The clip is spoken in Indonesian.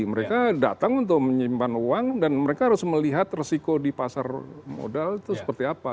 mereka datang untuk menyimpan uang dan mereka harus melihat resiko di pasar modal itu seperti apa